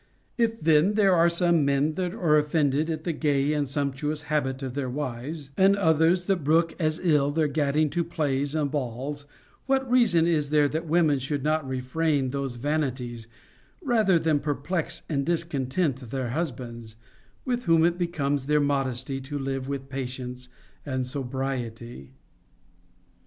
If then there are some men that are offended at the gay and sumptuous habit of their wives, and others that brook as ill their gad 504 CONJUGAL PRECEPTS ding to plays and balls, what reason is there that women should not refrain those vanities rather than perplex and discontent their husbands, with whom it becomes their modesty to live with patience and sobriety.